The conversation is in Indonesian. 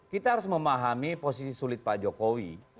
kita harus memahami posisi sulit pak jokowi